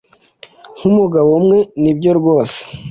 nkumugabo umwe, nibyo rwose